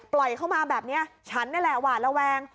เข้ามาแบบนี้ฉันนี่แหละหวาดระแวง